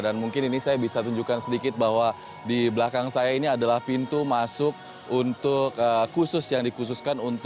dan mungkin ini saya bisa tunjukkan sedikit bahwa di belakang saya ini adalah pintu masuk untuk khusus yang dikhususkan